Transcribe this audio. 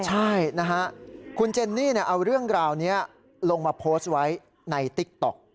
ใช่นะฮะคุณเจนนี่เอาเรื่องราวนี้ลงมาโพสต์ไว้ในติ๊กต๊อก